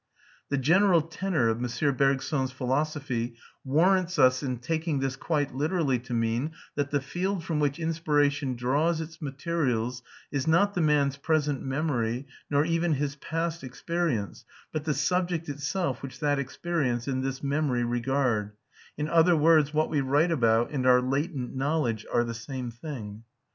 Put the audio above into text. The general tenor of M. Bergson's philosophy warrants us in taking this quite literally to mean that the field from which inspiration draws its materials is not the man's present memory nor even his past experience, but the subject itself which that experience and this memory regard: in other words, what we write about and our latent knowledge are the same thing.